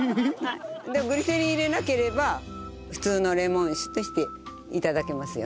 グリセリンを入れなければ普通のレモン酒として頂けますよね。